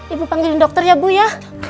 ibu panggil dokter ya bu ya